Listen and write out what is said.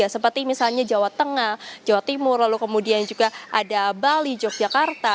seperti misalnya jawa tengah jawa timur lalu kemudian juga ada bali yogyakarta